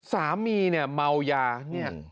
สามีเนี่ยเมายาเนี่ย